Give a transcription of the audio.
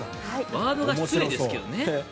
ワードが失礼ですけどね。